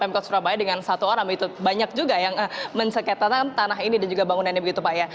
pemkot surabaya dengan satu orang itu banyak juga yang menseketakan tanah ini dan juga bangunannya begitu pak ya